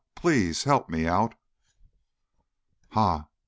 Please help me out!" "Ha!